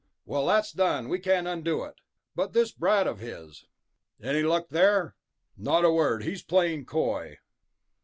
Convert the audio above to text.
"Well, that's done, we can't undo it. But this brat of his...." "Any luck there?" "Not a word. He's playing coy."